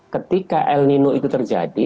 ketika el nino itu terjadi